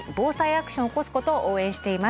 アクションを起こすことを応援しています。